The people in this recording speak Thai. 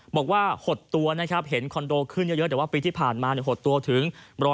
บอกว่า๖ตัวนะครับเห็นคอนโดขึ้นเยอะแต่ว่าปีที่ผ่านมา๖ตัวถึง๑๐๐